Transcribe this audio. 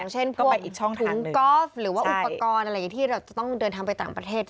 เช่นพวกถุงกอล์ฟหรือว่าอุปกรณ์อะไรอย่างนี้ที่เราจะต้องเดินทางไปต่างประเทศ